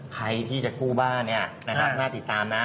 ใครที่จะกู้บ้านน่าติดตามนะ